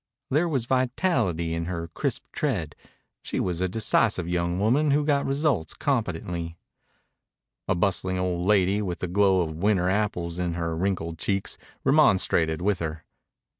There was vitality in her crisp tread. She was a decisive young woman who got results competently. A bustling old lady with the glow of winter apples in her wrinkled cheeks remonstrated with her.